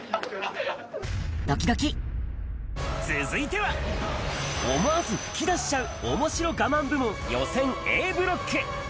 続いては、思わず吹き出しちゃう面白我慢部門予選Ａブロック。